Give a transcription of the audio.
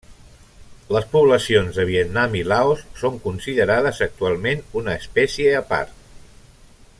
Les poblacions de Vietnam i Laos són considerades actualment una espècie aparti.